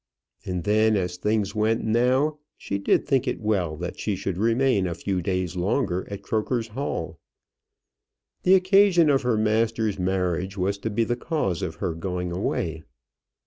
And then, as things went now, she did think it well that she should remain a few days longer at Croker's Hall. The occasion of her master's marriage was to be the cause of her going away.